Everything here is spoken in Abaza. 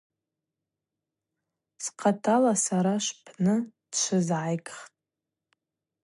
Схъатала сара швпны дшвызгӏазгхтӏ.